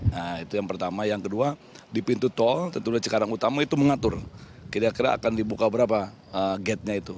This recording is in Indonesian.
nah itu yang pertama yang kedua di pintu tol tentunya cikarang utama itu mengatur kira kira akan dibuka berapa gate nya itu